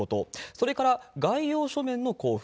それから概要書面の交付。